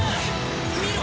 見ろ！